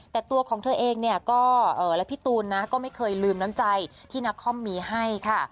แต่ตัวของเธอเองเนี่ยก็และพี่ตูนนะก็ไม่เคยลืมน้ำใจที่นักคอมมีให้ค่ะ